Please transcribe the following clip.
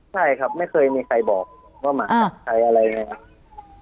ใช่ครับไม่เคยมีใครบอกว่าหมากับใครอะไรยังไงครับ